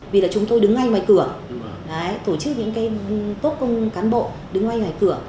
vì là chúng tôi đứng ngay ngoài cửa tổ chức những tốt công cán bộ đứng ngoài cửa